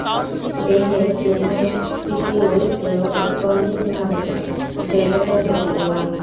দেহে চুনময় স্পিকিউল ও স্পঞ্জিন নামক জৈবতন্তু বিদ্যমান।